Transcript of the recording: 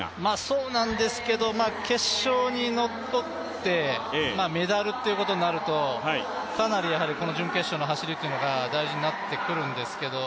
そうなんですけど、決勝に残ってメダルということになるとかなり準決勝の走りというのが大事になってくるんですけど。